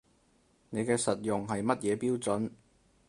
你嘅實用係乜嘢標準